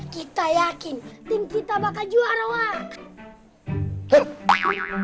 kita yakin tim kita bakal juara pak